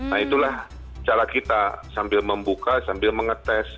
nah itulah cara kita sambil membuka sambil mengetes